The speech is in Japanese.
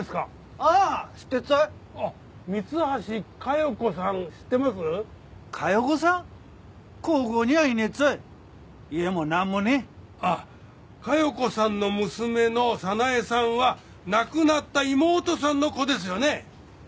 あっ加代子さんの娘の早苗さんは亡くなった妹さんの子ですよね？